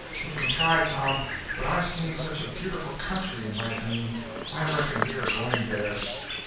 "We can try, Tom; but I've seen such a beautiful country in my dream. I reckon we are going there."